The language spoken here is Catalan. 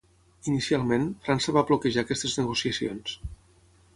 Inicialment, França va bloquejar aquestes negociacions.